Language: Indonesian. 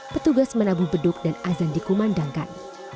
petugas menabuh beduk dan azan dikumandangkan